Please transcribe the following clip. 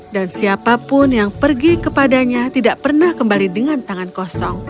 dan siapapun yang pergi kepadanya tidak pernah kembali dengan tangan kosong